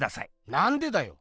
なんでだよ？